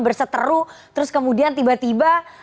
berseteru terus kemudian tiba tiba